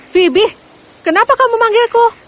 phoebe kenapa kamu memanggilku